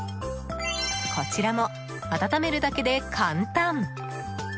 こちらも温めるだけで簡単！